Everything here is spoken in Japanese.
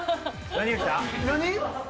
何？